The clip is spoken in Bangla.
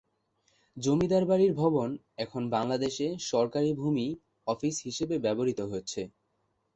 জমিদার বাড়ির ভবন এখন বাংলাদেশ সরকারের ভূমি অফিস হিসেবে ব্যবহৃত হচ্ছে।